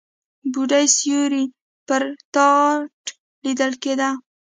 بوډۍ سيوری پر تاټ ليدل کېده.